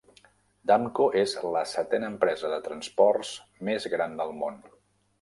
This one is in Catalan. Damco és la setena empresa de transports més gran del món.